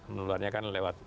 melularnya kan lewat